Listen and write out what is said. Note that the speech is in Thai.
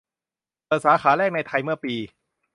เปิดสาขาแรกในไทยเมื่อปี